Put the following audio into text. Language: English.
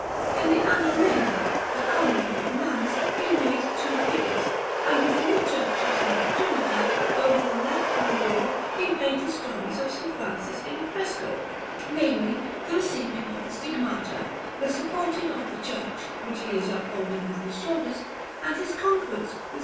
In the Annalena, a convent of nuns, he made two figures; and within the Church of S. Trinita, over the left hand door, he painted stories of S. Francis in fresco namely, the receiving of the Stigmata; the supporting of the Church, which he is upholding with his shoulders; and his conference with S.